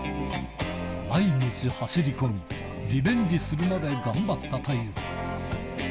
毎日走り込み、リベンジするまで頑張ったという。